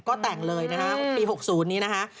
ก็แต่งเลยนะคะปี๖๐นี้นะคะ